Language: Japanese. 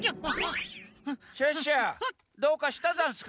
シュッシュどうかしたざんすか？